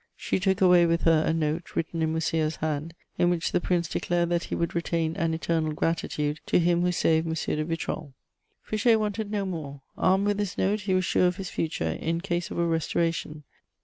She took away with her a note, written in Monsieur's hand, in which the Prince declared that he would retain an eternal gratitude to him who saved M. de Vitrolles. Fouché wanted no more; armed with this note, he was sure of his future in case of a restoration.